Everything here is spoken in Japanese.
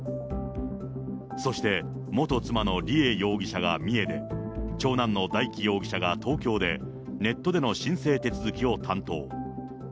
そして、元妻の梨恵容疑者が三重で、長男の大祈容疑者が東京で、ネットでの申請手続きを担当。